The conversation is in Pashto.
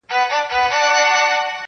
کومول هم د څه انعام لپاره تم سو-